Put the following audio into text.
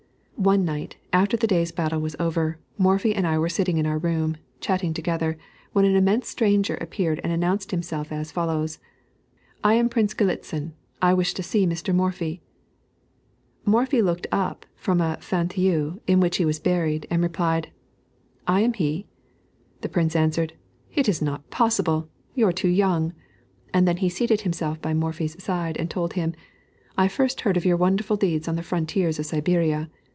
One night, after the day's battle was over, Morphy and I were sitting in our room, chatting together, when an immense stranger appeared and announced himself as follows: "I am Prince Galitzin; I wish to see Mr. Morphy." Morphy looked up from a fauteuil in which he was buried, and replied, "I am he." The Prince answered, "It is not possible! you're too young;" and then he seated himself by Morphy's side and told him, "I first heard of your wonderful deeds on the frontiers of Siberia.